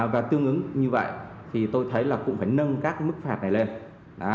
và tương ứng như vậy thì tôi thấy là cũng phải nâng các mức phạt này lên